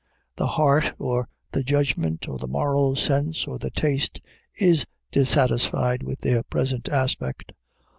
The heart or the judgment or the moral sense or the taste is dissatisfied with their present aspect.